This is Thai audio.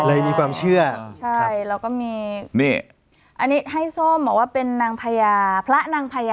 อันนี้ให้ส้มมีก็บอกว่าเป็นนางพญาพระนางพญา